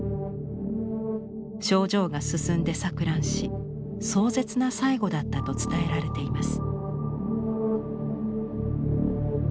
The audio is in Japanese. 症状が進んで錯乱し壮絶な最期だったと伝えられています。